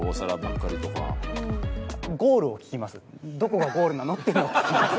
「どこがゴールなの？」っていうのは聞きます。